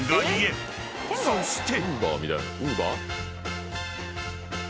［そして］